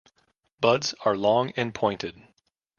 Buds are long and pointed.